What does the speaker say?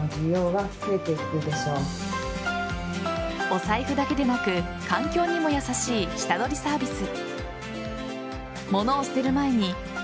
お財布だけでなく環境にも優しい下取りサービス。